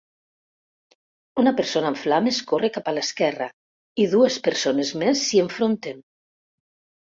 Una persona en flames corre cap a l'esquerra i dues persones més s'hi enfronten.